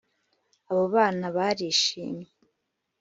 abo bana barishimye